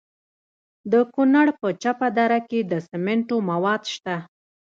د کونړ په چپه دره کې د سمنټو مواد شته.